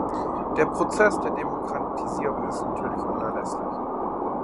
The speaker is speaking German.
Der Prozess der Demokratisierung ist natürlich unerlässlich.